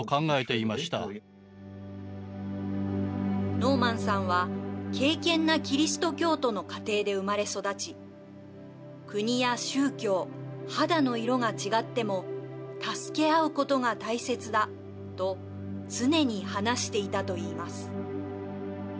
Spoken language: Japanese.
ノーマンさんは敬けんなキリスト教徒の家庭で生まれ育ち「国や宗教、肌の色が違っても助け合うことが大切だ」と常に話していたと言います。